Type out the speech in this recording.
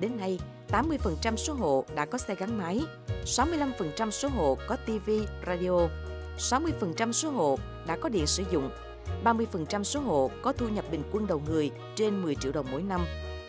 đến nay tám mươi số hộ đã có xe gắn máy sáu mươi năm số hộ có tv radio sáu mươi số hộ đã có điện sử dụng ba mươi số hộ có thu nhập bình quân đầu người trên một mươi triệu đồng mỗi năm